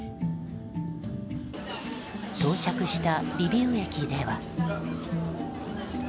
到着したリビウ駅では。